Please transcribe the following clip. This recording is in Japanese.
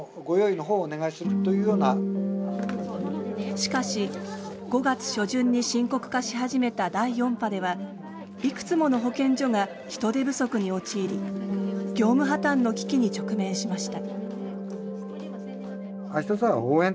しかし５月初旬に深刻化し始めた第４波ではいくつもの保健所が人手不足に陥り業務破綻の危機に直面しました。